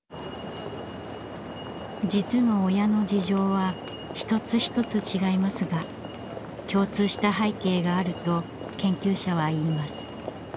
実の親の事情は一つ一つ違いますが共通した背景があると研究者は言います。